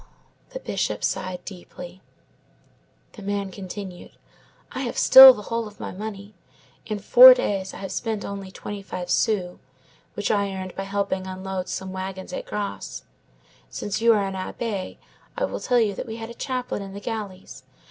The Bishop sighed deeply. The man continued: "I have still the whole of my money. In four days I have spent only twenty five sous, which I earned by helping unload some wagons at Grasse. Since you are an abbé, I will tell you that we had a chaplain in the galleys.